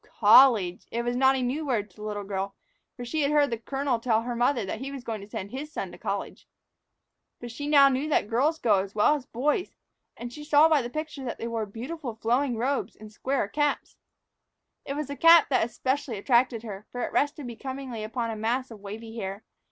College! It was not a new word to the little girl, for she had heard the colonel tell her mother that he was going to send his son to college. But now she knew that girls as well as boys could go. And she saw by the picture that they wore beautiful flowing robes and square caps. It was the cap that specially attracted her, for it rested becomingly upon a mass of wavy hair.